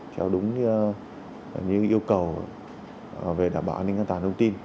theo đúng những yêu cầu về đảm bảo an ninh an toàn thông tin